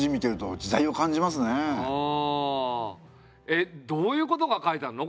えっどういうことが書いてあんの？